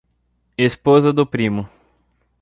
Esposa do primo